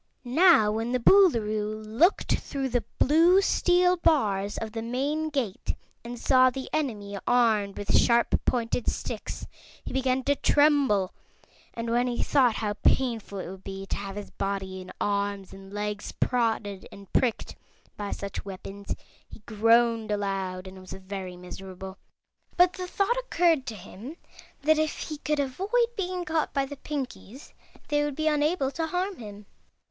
Now when the Boolooroo looked through the blue steel bars of the main gate and saw the enemy armed with sharp pointed sticks, he began to tremble; and when he thought how painful it would be to have his body and arms and legs prodded and pricked by such weapons he groaned aloud and was very miserable. But the thought occurred to him that if he could avoid being caught by the Pinkies they would be unable to harm him.